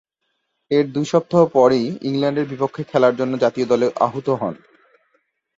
এর দুই সপ্তাহ পরই ইংল্যান্ডের বিপক্ষে খেলার জন্যে জাতীয় দলে আহুত হন।